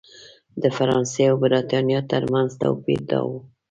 د فرانسې او برېټانیا ترمنځ توپیر دا و.